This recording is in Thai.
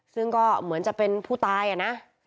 ซึ่งก็เหมือนจะเป็นผู้ตายอ่ะนะ